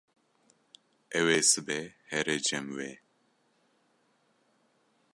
Ew ê sibê here cem wê.